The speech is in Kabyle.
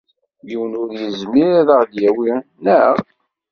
Yiwen ur yezmir ad aɣ-yawi, naɣ?